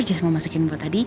jess mau masakin buat adi